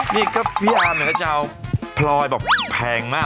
เนี่ยก็พี่มร์มมันก็จะเอาพลอยน่ะแพงมาก